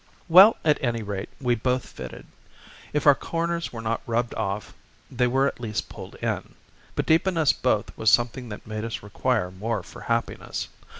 "Well, at any rate, we both fitted. If our corners were not rubbed off they were at least pulled in. But deep in us both was something that made us require more for happiness.